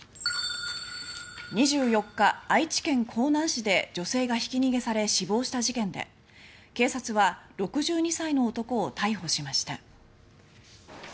２４日、愛知県江南市で女性がひき逃げされ死亡した事件で警察は６２歳の男を逮捕しました。